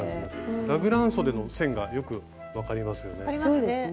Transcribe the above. ラグランそでの線がよく分かりますよね。